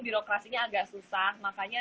birokrasinya agak susah makanya